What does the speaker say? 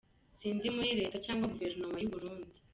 Sindi muri Leta cyangwa Guverinoma y’Uburundi.